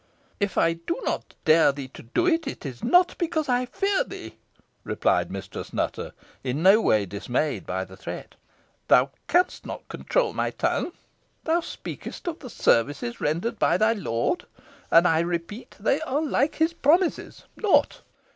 "If I do not dare thee to it, it is not because I fear thee," replied Mistress Nutter, in no way dismayed by the threat. "Thou canst not control my tongue. Thou speakest of the services rendered by thy lord, and I repeat they are like his promises, naught.